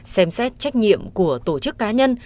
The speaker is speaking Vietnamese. xem xét trách nhiệm của tổ chức cá nhân